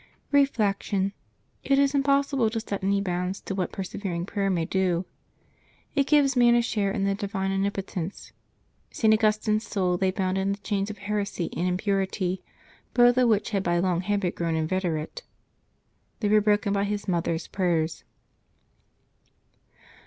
Reflection. — It is impossible to set any bounds to what persevering prayer may do. It gives man a share in the Divine Omnipotence. St. Augustine's soul lay bound in the chains of heresy and impurity, both of which had by long habit grown inveterate. They were broken by his mother's prayers.